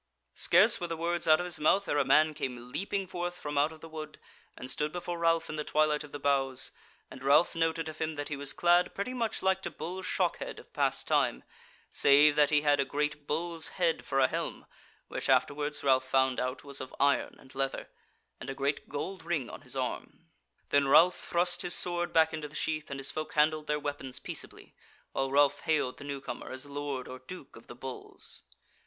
Scarce were the words out of his mouth ere a man came leaping forth from out the wood, and stood before Ralph in the twilight of the boughs, and Ralph noted of him that he was clad pretty much like to Bull Shockhead of past time, save that he had a great bull's head for a helm (which afterwards Ralph found out was of iron and leather) and a great gold ring on his arm. Then Ralph thrust his sword back into the sheath, and his folk handled their weapons peaceably, while Ralph hailed the new comer as Lord or Duke of the Bulls.